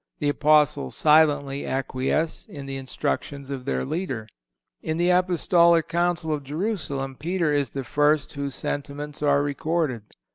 The Apostles silently acquiesce in the instructions of their leader.(163) In the Apostolic Council of Jerusalem Peter is the first whose sentiments are recorded.